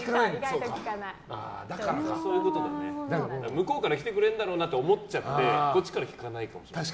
向こうから来てくれるんだろうなって思っちゃってこっちから聞かないかもしれない。